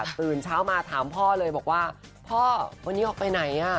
ตื่นเช้ามาถามพ่อเลยบอกว่าพ่อวันนี้ออกไปไหนอ่ะ